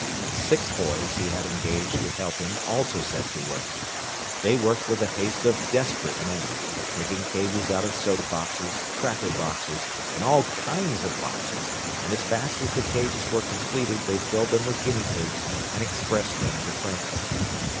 The six boys he had engaged to help him also set to work. They worked with the haste of desperate men, making cages out of soap boxes, cracker boxes, and all kinds of boxes, and as fast as the cages were completed they filled them with guinea pigs and expressed them to Franklin.